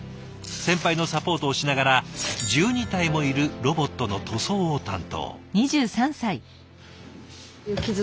先輩のサポートをしながら１２体もいるロボットの塗装を担当。